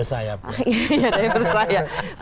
ada yang bersayap